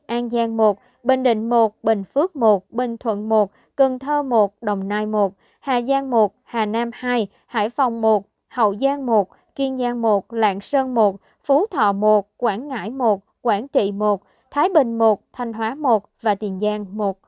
an giang một bình định một bình phước một bình thuận một cần thơ một đồng nai một hà giang một hà nam hai hải phòng một hậu giang một kiên giang một lạng sơn một phú thọ một quảng ngãi một quảng trị một thái bình i thanh hóa một và tiền giang một năm